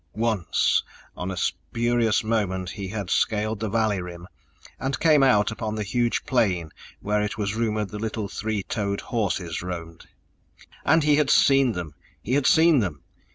Once on a spurious moment he had scaled the valley rim, and came out upon the huge plain where it was rumored the little three toed horses roamed. And he had seen them, he had seen them!